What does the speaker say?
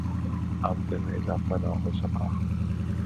امدن میں اضافہ نہ ہوسکا